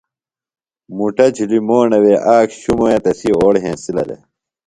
مُٹہ جُھلیۡ موݨہ وے آک شُموے تسی اوڑہ ہینسِلہ دےۡ۔